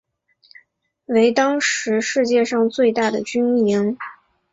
为当时世界上最大的军营。